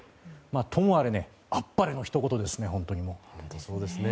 ともあれあっぱれのひと言ですね。